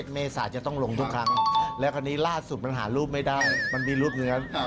เมษาจะต้องลงทุกครั้งแล้วคราวนี้ล่าสุดมันหารูปไม่ได้มันมีรูปอย่างนั้น